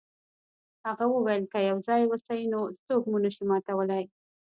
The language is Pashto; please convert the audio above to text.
هغه وویل که یو ځای اوسئ نو څوک مو نشي ماتولی.